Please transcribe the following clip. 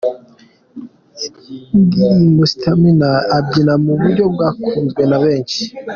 ndirimbo Stamina abyina mu buryo bwakunzwe na benshi.